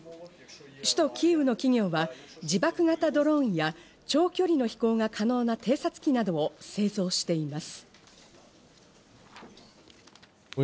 首都キーウの企業は、自爆型ドローンや長距離の飛行が可能な偵察機などを製造しています。